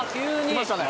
来ましたね。